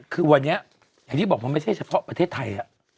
คือวันนี้อย่างที่บอกมันไม่ใช่เฉพาะประเทศไทย